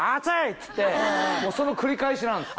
っつってその繰り返しなんです。